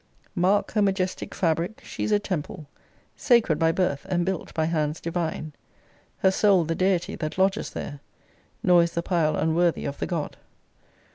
Mark her majestic fabric! She's a temple, Sacred by birth, and built by hands divine; Her soul the deity that lodges there: Nor is the pile unworthy of the god.